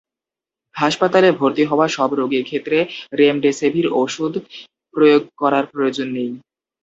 হাসপাতালে ভর্তি হওয়া সব রোগীর ক্ষেত্রে রেমডেসেভির ওষুধ প্রয়োগ করার প্রয়োজন নেই।